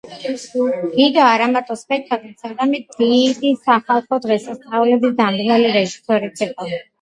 გიგა არამარტო სპექტაკლებს, არამედ დიდი სახალხო დღესასწაულების დამდგმელი რეჟისორიც იყო.